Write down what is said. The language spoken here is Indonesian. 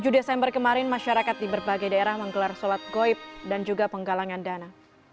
tujuh desember kemarin masyarakat di berbagai daerah menggelar sholat goib dan juga penggalangan dana